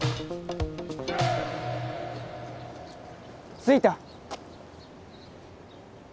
着いた！